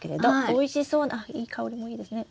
おいしそうなあ香りもいいですね。